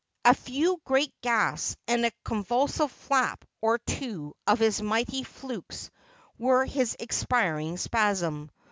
A few great gasps and a convulsive flap or two of his mighty flukes were his expiring spasm.